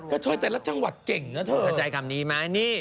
ก็ช่วยแต่ละจังหวัดเก่งนะเธอ